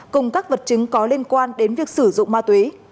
cùng các vật chứng có liên quan đến việc sử dụng ma túy